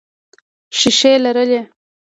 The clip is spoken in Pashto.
ښیښې لرلې.